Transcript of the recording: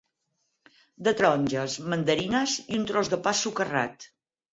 De taronges mandarines i un tros de pa socarrat.